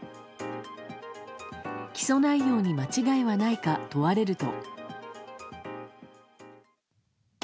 起訴内容に間違いはないか問われると。